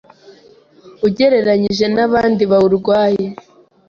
ugereranyije n’abandi bawurwaye